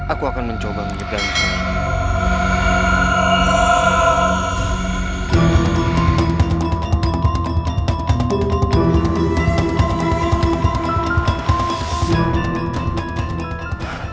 aku akan mencoba menyeberangi sungai ini